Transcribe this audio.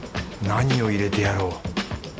何を入れてやろう？